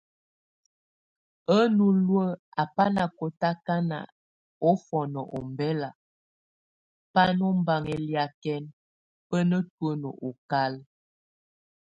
A nulu a bá nakotakan ofɔnɔ ombɛlak, bá nɛ ombaŋ eliakɛn, bá netuen okal.